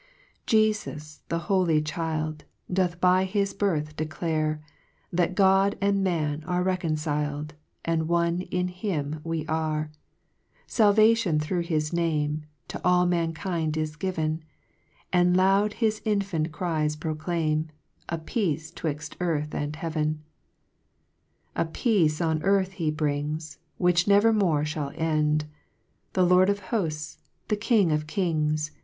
2 Jefus the Holy Child, Doth by his birth declare, That God and man are reconcil'd, And one in him we are ; Salvation through'his Name To all mankind is given, And loud his infant cries proclaim, A peace 'twixt earth and heaven* 3 A peace on earth he brings, Which never more fhall end : The Lord of Hofls, the King of Kings